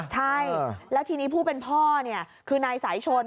ใช่แล้วทีนี้ผู้เป็นพ่อคือนายสายชน